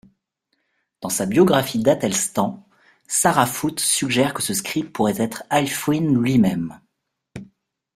Dans sa biographie d'Æthelstan, Sarah Foot suggère que ce scribe pourrait être Ælfwine lui-même.